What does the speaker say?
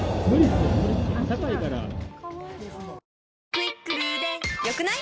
「『クイックル』で良くない？」